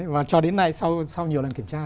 và cho đến nay sau nhiều lần kiểm tra